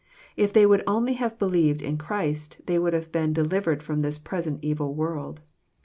If they would only have be lieved in Christ, they would have been *' delivered ft om this present evU world."